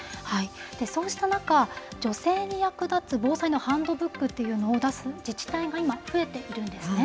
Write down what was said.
そうした中、女性に役立つ防災のハンドブックっていうのを出す自治体が今、増えているんです。